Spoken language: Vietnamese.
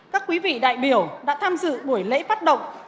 các quý vị đại biểu đã tham dự buổi lễ phát động